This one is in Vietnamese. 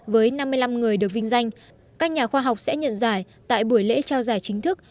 với năm mươi năm người được vinh danh các nhà khoa học sẽ nhận giải tại buổi lễ trao giải chính thức